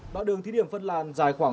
đoạn đường thí điểm phân làm dài khoảng